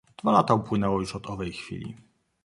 "Dwa lata upłynęło już od owej chwili..."